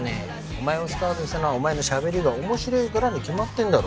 お前をスカウトしたのはお前の喋りが面白えからに決まってんだろ。